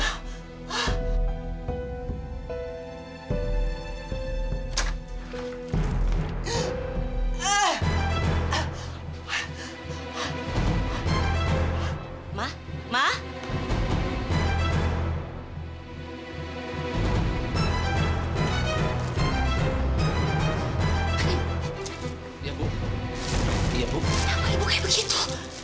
kenapa ibu kayak begitu